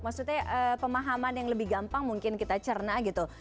maksudnya pemahaman yang lebih gampang mungkin kita cerna gitu